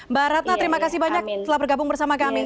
mbak ratna terima kasih banyak telah bergabung bersama kami